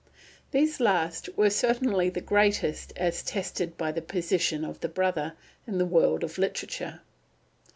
These last were certainly the greatest as tested by the position of the brother in the world of literature.